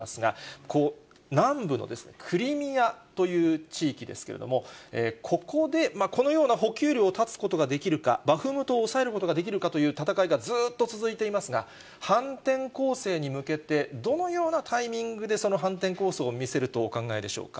一方でロシアの支配地域をこちら、見ていただいていますが、ウクライナ東部のこのバフムトの辺りが非常に激戦地になっていますが、南部のクリミアという地域ですけれども、ここで、このような補給路を断つことができるか、バフムトを抑えることができるかという戦いがずっと続いていますが、反転攻勢に向けて、どのようなタイミングでその反転攻勢を見せるとお考えでしょうか。